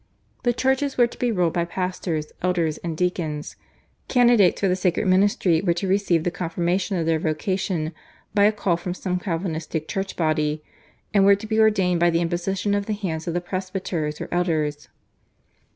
The churches were to be ruled by pastors, elders, and deacons. Candidates for the sacred ministry were to receive the confirmation of their vocation by a call from some Calvinistic church body, and were to be ordained by the imposition of the hands of the presbyters or elders.